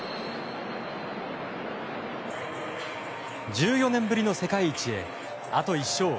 １４年ぶりの世界一へあと１勝。